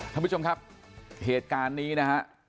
ท่านผู้ชมครับเหตุการณ์นี้นะฮะ